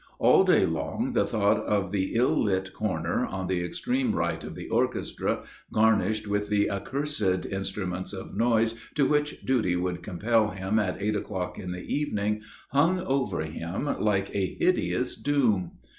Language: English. All day long the thought of the ill lit corner, on the extreme right of the orchestra, garnished with the accursed instruments of noise to which duty would compel him at eight o'clock in the evening hung over him like a hideous doom.